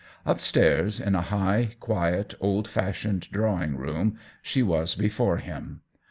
Up stairs, in a high, quiet, old fashioned drawing room, she was before him.